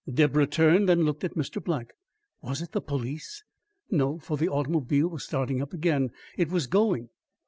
Deborah turned and looked at Mr. Black. Was it the police? No, for the automobile was starting up again it was going.